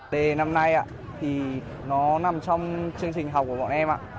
đề năm nay thì nó nằm trong chương trình học của bọn em